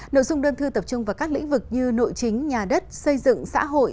nội dung đơn thư tập trung vào các lĩnh vực như nội chính nhà đất xây dựng xã hội